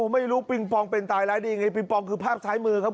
ไม่รู้ปิงปองเป็นตายร้ายดียังไงปิงปองคือภาพซ้ายมือครับ